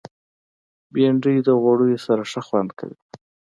بېنډۍ د غوړیو سره ښه خوند کوي